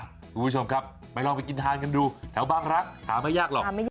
คุณผู้ชมครับไปลองไปกินทานกันดูแถวบางรักหาไม่ยากหรอก